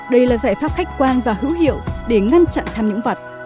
đây là giải pháp khách quan và hữu hiệu để ngăn chặn tham nhũng vật